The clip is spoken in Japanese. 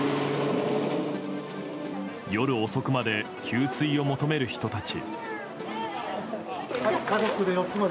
夜遅くまで給水を求める人たち。